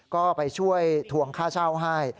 ก็ไปช่วยทวงค่าเช่าให้